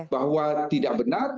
bahwa tidak benar